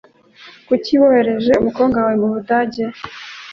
Kuki wohereje umukobwa wawe mubudage?